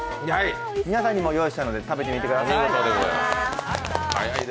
皆さんにも用意したので食べてみてください。